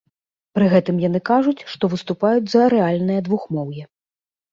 Пры гэтым яны кажуць, што выступаюць за рэальнае двухмоўе.